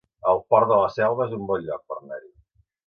El Port de la Selva es un bon lloc per anar-hi